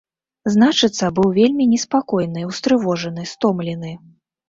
Значыцца, быў вельмі неспакойны, устрывожаны, стомлены.